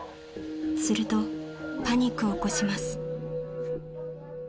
［するとパニックを起こします］